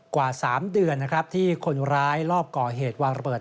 กว่า๓เดือนนะครับที่คนร้ายรอบก่อเหตุวางระเบิด